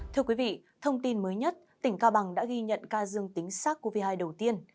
thưa quý vị thông tin mới nhất tỉnh cao bằng đã ghi nhận ca dương tính xác covid một mươi chín đầu tiên